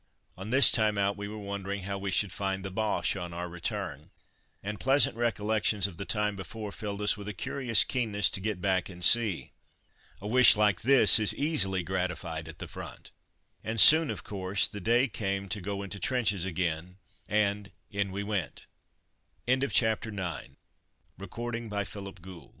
On this time out we were wondering how we should find the Boches on our return, and pleasant recollections of the time before filled us with a curious keenness to get back and see. A wish like this is easily gratified at the front, and soon, of course, the day came to go into trenches again, and in we went. CHAPTER X MY PARTIAL ESCAPE FROM THE MUD THE D